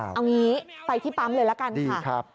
เอาอย่างนี้ไปที่ปั๊มเลยละกันค่ะดีครับ